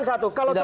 saya tambahkan satu